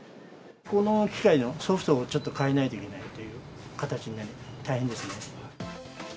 この機械のソフトをちょっと変えないといけないという形になり、大変ですね。